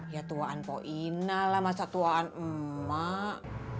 ya tuaan poina lah masa tuaan emak